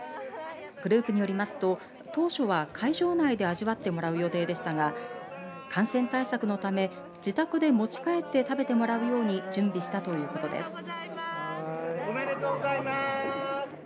グループによりますと当初は会場内で味わってもらう予定でしたが感染対策のため自宅で持ち帰って食べてもらうように準備したということです。